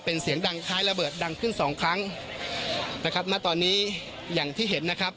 เป็นเสียงดังคล้ายระเบิดดังขึ้นสองครั้งนะครับณตอนนี้อย่างที่เห็นนะครับ